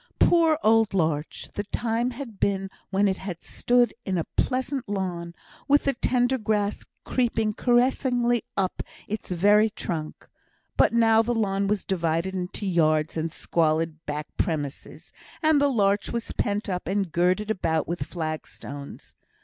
Poor old larch! the time had been when it had stood in a pleasant lawn, with the tender grass creeping caressingly up to its very trunk; but now the lawn was divided into yards and squalid back premises, and the larch was pent up and girded about with flag stones.